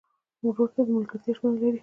ورور ته د ملګرتیا ژمنه لرې.